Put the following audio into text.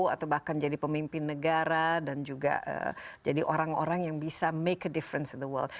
atau bahkan jadi pemimpin negara dan juga jadi orang orang yang bisa make a difference the world